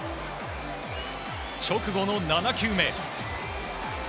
直後の７球目。